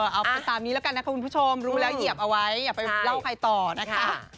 เอาไปตามนี้แล้วกันนะคะคุณผู้ชมรู้แล้วเหยียบเอาไว้อย่าไปเล่าใครต่อนะคะ